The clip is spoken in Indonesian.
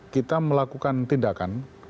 kita melakukan tindakan